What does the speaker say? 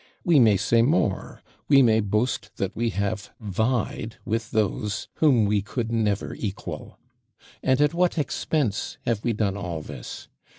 We may say more; we may boast that we have vied with those whom we could never equal. And at what expense have we done all this?